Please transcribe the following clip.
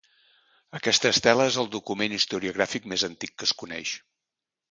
Aquesta estela és el document historiogràfic més antic que es coneix.